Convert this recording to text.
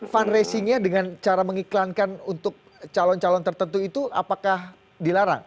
fundraisingnya dengan cara mengiklankan untuk calon calon tertentu itu apakah dilarang